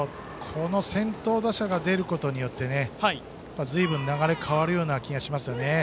この先頭打者が出ることによってずいぶん、流れが変わるような気がしますよね。